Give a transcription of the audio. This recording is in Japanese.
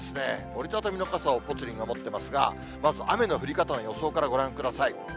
折り畳みの傘をぽつリンが持ってますが、まず雨の降り方の予想からご覧ください。